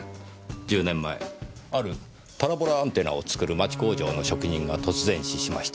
１０年前あるパラボラアンテナを作る町工場の職人が突然死しました。